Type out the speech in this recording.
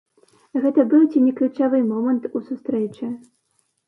Гэта быў ці не ключавы момант у сустрэчы.